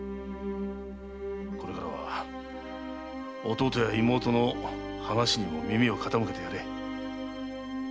これからは弟や妹の話にも耳を傾けてやれ。